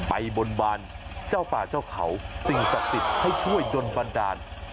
บนบานเจ้าป่าเจ้าเขาสิ่งศักดิ์สิทธิ์ให้ช่วยดนบันดาล